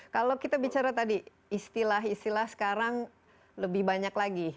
kalau kita bicara tadi istilah istilah sekarang lebih banyak lagi